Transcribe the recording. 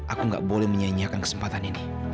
aku gak boleh menyanyiakan kesempatan ini